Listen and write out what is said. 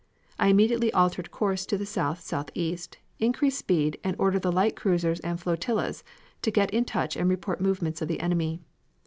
I immediately altered course to south southeast, increased speed, and ordered the light cruisers and flotillas to get in touch and report movements of enemy.